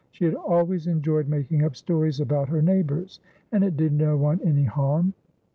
She had always enjoyed making up stories about her neighbours, and it did no one any harm.